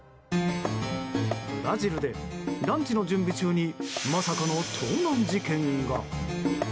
ブラジルで、ランチの準備中にまさかの盗難事件が。